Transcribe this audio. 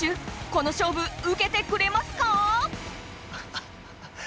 この勝負うけてくれますか？